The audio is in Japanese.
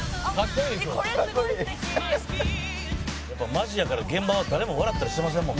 マジやから現場は誰も笑ったりしませんもんね。